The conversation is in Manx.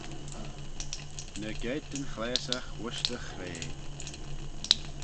Ny geiyrt yn chlaasagh voish dty chray.